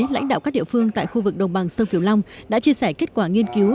lãnh đạo các địa phương tại khu vực đồng bằng sông kiều long đã chia sẻ kết quả nghiên cứu